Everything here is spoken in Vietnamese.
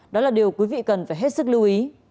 đó là điều quý vị cần phải hết sức lưu ý